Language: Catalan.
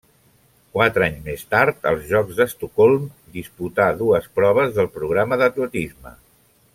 Quatre anys més tard, als Jocs d'Estocolm, disputà dues proves del programa d'atletisme.